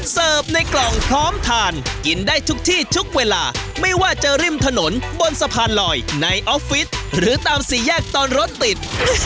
เสิร์ฟในกล่องพร้อมทานกินได้ทุกที่ทุกเวลาไม่ว่าจะริมถนนบนสะพานลอยในออฟฟิศหรือตามสี่แยกตอนรถติด